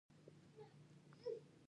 او بالعموم ورته داستانونه جوړوي،